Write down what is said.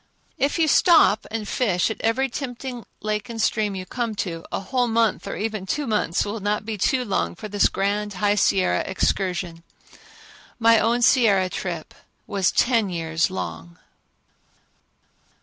If you stop and fish at every tempting lake and stream you come to, a whole month, or even two months, will not be too long for this grand High Sierra excursion. My own Sierra trip was ten years long.